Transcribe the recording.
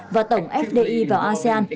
và tổng fdi vào asean